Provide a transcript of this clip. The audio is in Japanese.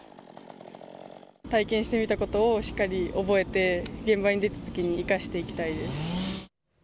体験してみたことをしっかり覚えて、現場に出たときに生かしていきたいです。